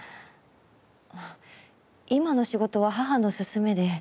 あっ今の仕事は母の勧めで。